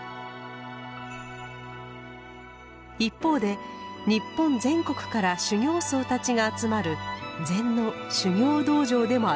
一方で日本全国から修行僧たちが集まる禅の修行道場でもあります。